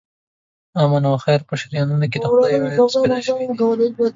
د آمن او خیر په شریانونو کې د خدۍ وایروس پیدا شوی دی.